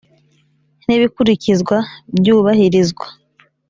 n ibikurikizwa byubahirizwa